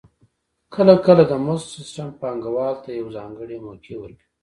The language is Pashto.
کله کله د مزد سیستم پانګوال ته یوه ځانګړې موقع ورکوي